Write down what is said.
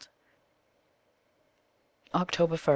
OCTOBER.